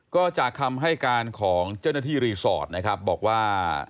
ก็จากคำให้การของเจ้าหน้าที่รีสอร์ทนะครับบอกว่า